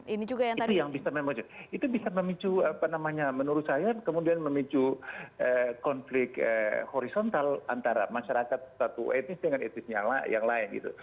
itu yang bisa memicu apa namanya menurut saya kemudian memicu konflik horizontal antara masyarakat satu etnis dengan etnisnya yang lain gitu